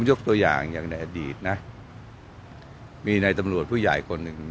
ยกตัวอย่างอย่างในอดีตนะมีในตำรวจผู้ใหญ่คนหนึ่ง